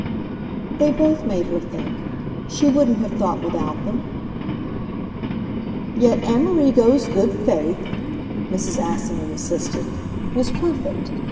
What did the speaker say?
"They both made her think. She wouldn't have thought without them." "Yet Amerigo's good faith," Mrs. Assingham insisted, "was perfect.